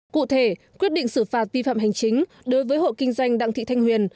cụ thể quyết định xử phạt vi phạm hành chính đối với hộ kinh doanh đặng thị thanh huyền